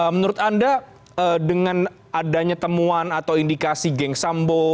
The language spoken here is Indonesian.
menurut anda dengan adanya temuan atau indikasi geng sambo